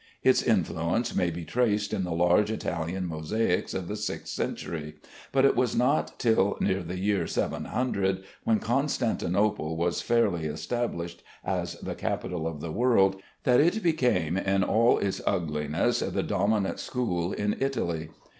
Its influence may be traced in the large Italian mosaics of the sixth century, but it was not till near the year 700, when Constantinople was fairly established as the capital of the world, that it became in all its ugliness the dominant school in Italy.